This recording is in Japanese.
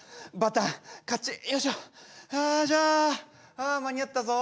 ああ間に合ったぞ。